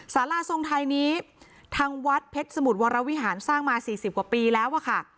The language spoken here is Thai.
สาราทรงไทยนี้ทางวัดเพชรสมุทรวรวิหารสร้างมา๔๐กว่าปีแล้วอะค่ะ